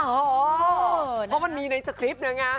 เพราะมันมีในสคริปต์หนึ่งไง